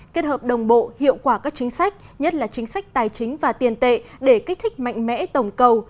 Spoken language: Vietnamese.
kết hợp đồng bộ hiệu quả các chính sách nhất là chính sách tài chính và tiền tệ để kích thích mạnh mẽ tổng cầu